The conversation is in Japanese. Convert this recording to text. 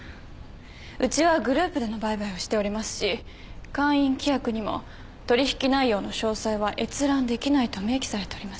うちはグループでの売買をしておりますし会員規約にも取引内容の詳細は閲覧できないと明記されております。